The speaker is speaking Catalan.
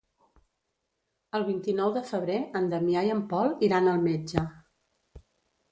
El vint-i-nou de febrer en Damià i en Pol iran al metge.